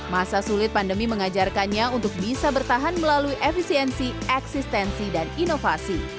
masa sulit pandemi mengajarkannya untuk bisa bertahan melalui efisiensi eksistensi dan inovasi